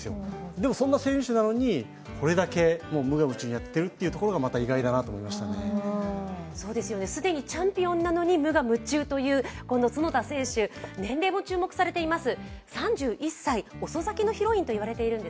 でも、そんな選手なのに、これだけ無我夢中にやっているというところが既にチャンピオンなのに無我夢中というこの角田選手、年齢も注目されています。